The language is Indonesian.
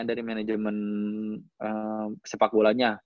dari manajemen sepak bolanya